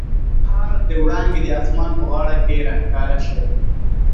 د سهار وړانګې د اسمان په غاړه کې را ښکاره شوې.